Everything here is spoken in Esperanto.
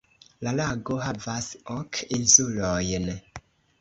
La lago havas ok insulojn.